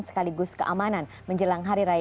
sekaligus keamanan menjelang hari raya